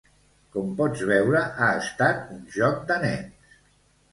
Com pots veure ha estat un joc de nens.